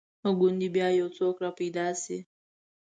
ګوندې بیا یو څوک را پیدا شي.